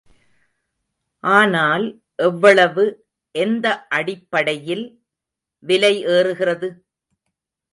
ஆனால், எவ்வளவு, எந்த அடிப்படையில் விலை ஏறுகிறது?